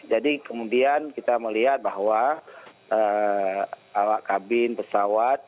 jadi kemudian kita melihat bahwa kabin pesawat